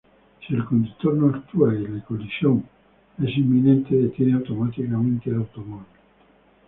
Si el conductor no actúa y la colisión es inminente detiene automáticamente el automóvil.